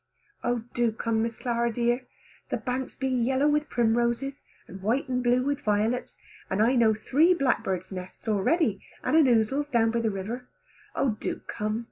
Oh do come, Miss Clara dear, the banks be yellow with primroses, and white and blue with violets, and I know three blackbirds nests already and an ousel's down by the river. Oh do come.